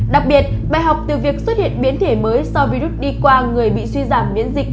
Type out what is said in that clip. đặc biệt bài học từ việc xuất hiện biến thể mới do virus đi qua người bị suy giảm biến dịch